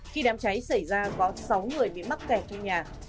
khi đám cháy xảy ra có sáu người bị mắc kẹt trong nhà